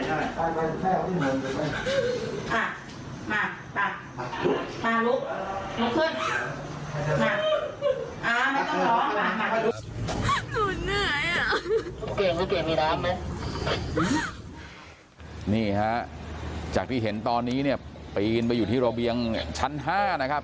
ไม่ต้องหรอกมานี่ครับจากที่เห็นตอนนี้เนี่ยปีนไปอยู่ที่ระเบียงชั้นห้านะครับ